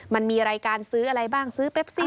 มันมีรายการซื้ออะไรบ้างซื้อเปปซี่